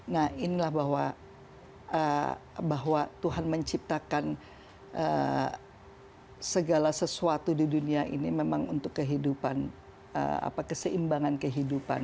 nah inilah bahwa tuhan menciptakan segala sesuatu di dunia ini memang untuk kehidupan keseimbangan kehidupan